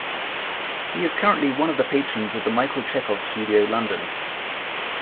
He is currently one of the patrons of the Michael Chekhov Studio London.